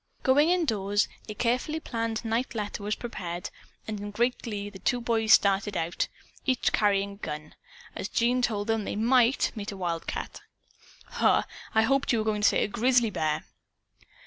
Going indoors, a carefully planned night letter was prepared and in great glee the two boys started out, each carrying a gun, as Jean told them that they might meet a wildcat. "Huh! I hoped you were going to say a grizzly bear."